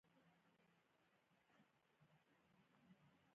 په افغانستان کې وګړي ډېر اهمیت لري.